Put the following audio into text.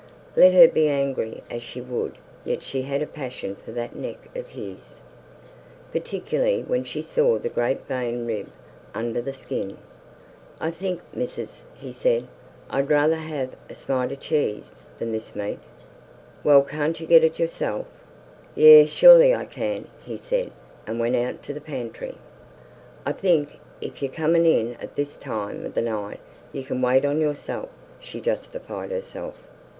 Let her be angry as she would yet she had a passion for that neck of his, particularly when she saw the great vein rib under the skin. "I think, missis," he said, "I'd rather ha'e a smite o' cheese than this meat." "Well, can't you get it yourself?" "Yi, surely I can," he said, and went out to the pantry. "I think, if yer comin' in at this time of night, you can wait on yourself," she justified herself.